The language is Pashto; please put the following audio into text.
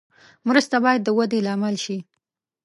مرسته باید د ودې لامل شي.